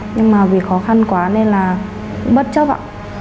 nhưng mà vì khó khăn quá nên là bất chấp ạ